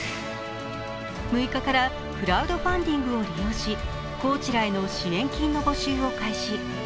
６日からクラウドファンディングを利用し、コーチらへの支援金の募集を開始。